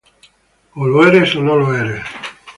O lo eres o no lo eres.